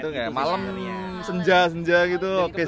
itu ya malem senja senja gitu oke sih